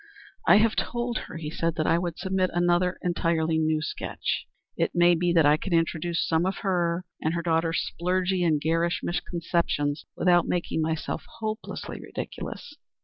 "I have told her," he said, "that I would submit another entirely new sketch. It may be that I can introduce some of her and her daughter's splurgy and garish misconceptions without making myself hopelessly ridiculous."